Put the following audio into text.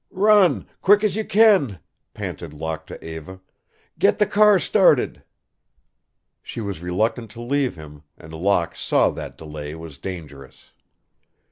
"Run quick as you can," panted Locke to Eva. "Get the car started." She was reluctant to leave him, and Locke saw that delay was dangerous.